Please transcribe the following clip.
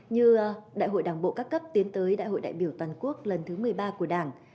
như đại hội đảng bộ các cấp tiến tới đại hội đại biểu toàn quốc lần thứ một mươi ba của đảng